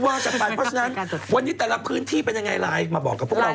ว่ากันไปเพราะฉะนั้นวันนี้แต่ละพื้นที่เป็นยังไงไลน์มาบอกกับพวกเรา